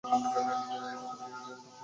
প্রাচীনকালে তাঁহাদের কথ্য ভাষা ছিল সংস্কৃত।